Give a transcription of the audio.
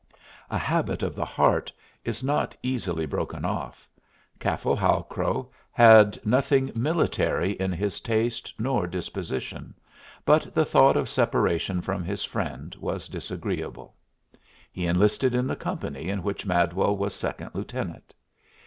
A habit of the heart is not easily broken off. Caffal Halcrow had nothing military in his taste nor disposition, but the thought of separation from his friend was disagreeable; he enlisted in the company in which Madwell was second lieutenant.